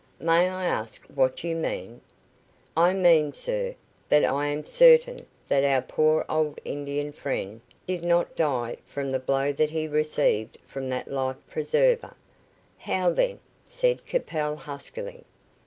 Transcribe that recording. "May I ask what you mean?" "I mean, sir, that I am certain that our poor old Indian friend did not die from the blow that he received from that life preserver." "How then?" said Capel, huskily.